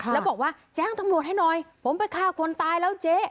แล้วบอกว่าแจ้งตำรวจให้หน่อยผมไปฆ่าคนตายแล้วเจ๊